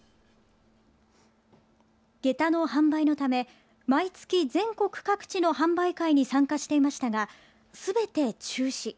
げたの販売のため毎月、全国各地の販売会に参加していましたが、すべて中止。